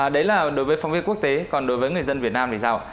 đấy là đối với phóng viên quốc tế còn đối với người dân việt nam thì rào